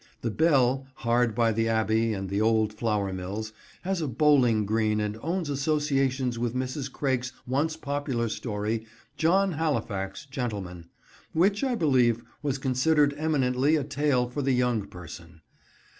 The "Bell," hard by the Abbey and the old flour mills, has a bowling green and owns associations with Mrs. Craik's once popular story, John Halifax, Gentleman: which, I believe, was considered eminently a tale for the young person.